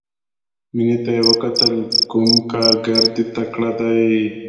مينې ته يې وکتل کوم کارګر دې تکړه دى.